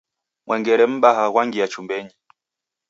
Mwengere mbaha ghwangia chumbenyi.